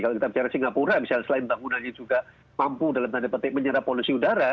kalau kita bicara singapura misalnya selain bangunannya juga mampu dalam tanda petik menyerap polusi udara